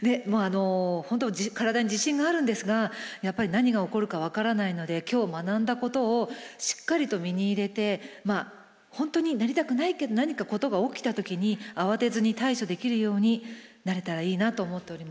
本当体に自信があるんですがやっぱり何が起こるか分からないので今日学んだことをしっかりと身に入れてまあ本当になりたくないけど何か事が起きた時に慌てずに対処できるようになれたらいいなと思っております。